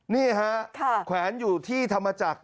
นี่ฮะแขวนอยู่ที่ธรรมจักร